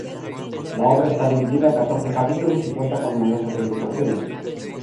La obra está dividida en catorce capítulos y cuenta con numerosas ilustraciones.